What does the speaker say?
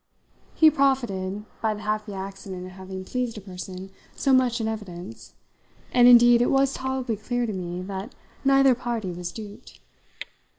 He profited by the happy accident of having pleased a person so much in evidence, and indeed it was tolerably clear to me that neither party was duped.